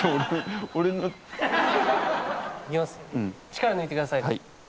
力抜いてください。